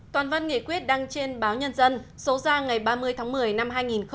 toàn văn nghị quyết đăng trên báo nhân dân số ra ngày ba mươi tháng một mươi năm hai nghìn một mươi chín